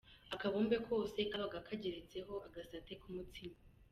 Akabumbe kose kabaga kageretseho agasate k’umutsima.